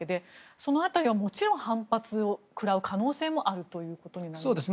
その辺りはもちろん反発を食らう可能性もあるということになりますか。